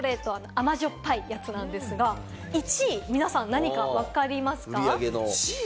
甘じょっぱいやつなんですが、１位皆さん、何かわかりますか？